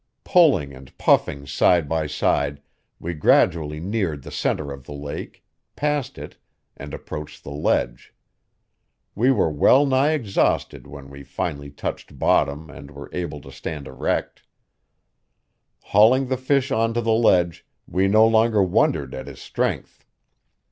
Pulling and puffing side by side, we gradually neared the center of the lake, passed it, and approached the ledge. We were well nigh exhausted when we finally touched bottom and were able to stand erect. Hauling the fish onto the ledge, we no longer wondered at his strength.